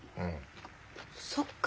そっか。